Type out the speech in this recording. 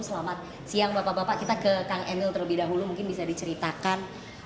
selamat siang bapak bapak kita ke kang emil terlebih dahulu mungkin bisa diceritakan